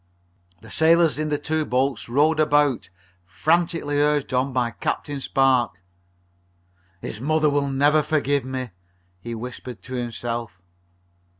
The sailors in the two boats rowed about, frantically urged on by Captain Spark. "His mother will never forgive me!" he whispered to himself.